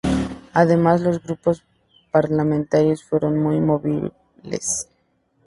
Además, los grupos parlamentarios fueron muy móviles.